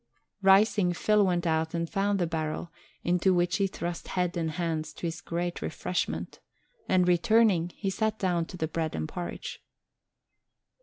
Rising, Phil went out and found the barrel, into which he thrust head and hands to his great refreshment; and returning, he sat down to the bread and porridge.